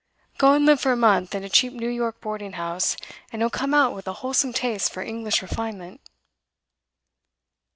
Go and live for a month in a cheap New York boarding house, and you'll come out with a wholesome taste for English refinement.